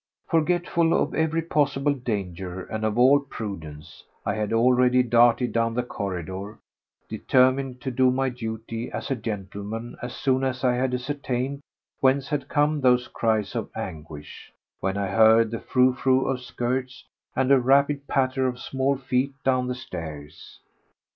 Forgetful of every possible danger and of all prudence, I had already darted down the corridor, determined to do my duty as a gentleman as soon as I had ascertained whence had come those cries of anguish, when I heard the frou frou of skirts and a rapid patter of small feet down the stairs.